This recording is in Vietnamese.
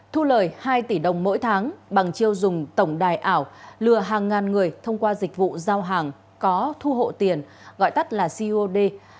thu lời hai tỷ đồng mỗi tháng bằng chiêu dùng tổng đài ảo lừa hàng ngàn người thông qua dịch vụ giao hàng có thu hộ tiền gọi tắt là cod